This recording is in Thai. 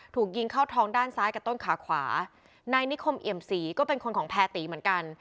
ถูกยิงเข้าท้องด้านซ้ายกับต้นขาขวานายนิคมเอี่ยมศรีก็เป็นคนของแพรตีเหมือนกัน